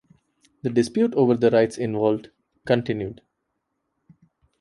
The dispute over the rights involved continued.